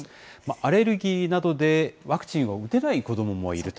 アレルギーなどでワクチンを打てない子どももいると。